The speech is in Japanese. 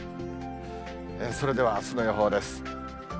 それではあすの予報です。